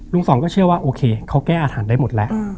สองก็เชื่อว่าโอเคเขาแก้อาหารได้หมดแล้ว